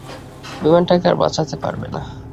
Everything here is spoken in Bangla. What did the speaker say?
বিমানটাকে আর বাঁচাতে পারবে না।